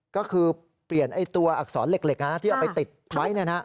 ก็คือเปลี่ยนตัวอักษรเหล็กที่เอาไปติดไว้